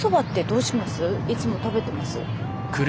いつも食べてます？